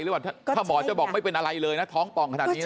ถ้าหมอจะบอกไม่เป็นอะไรเลยนะท้องป่องขนาดนี้นะ